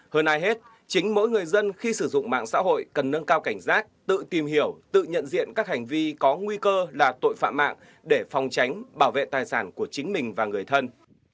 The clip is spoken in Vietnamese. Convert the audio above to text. hơn ai hết chính mỗi người dân khi sử dụng mạng xã hội cần nâng cao cảnh giác tự tìm hiểu tự nhận diện các hành vi có nguy cơ là tội phạm mạng để phòng tránh bảo vệ tài sản của chính mình và người thân